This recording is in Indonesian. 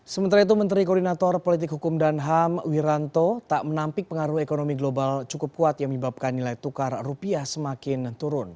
sementara itu menteri koordinator politik hukum dan ham wiranto tak menampik pengaruh ekonomi global cukup kuat yang menyebabkan nilai tukar rupiah semakin turun